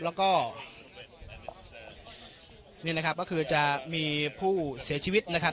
แล้วก็นี่นะครับก็คือจะมีผู้เสียชีวิตนะครับ